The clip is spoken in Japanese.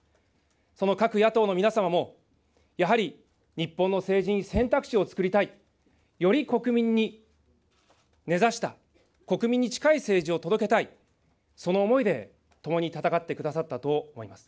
その各野党の皆様も、やはり日本の政治に選択肢をつくりたい、より国民に根ざした、国民に近い政治を届けたい、その思いで共に戦ってくださったと思います。